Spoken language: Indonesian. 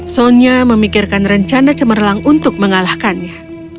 sonia memikirkan rencana cemerlang untuk mengalahkannya